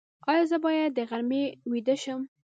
ایا زه باید د غرمې ویده شم؟